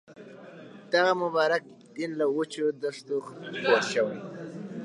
دغه مبارک دین له وچو دښتو خپور شوی.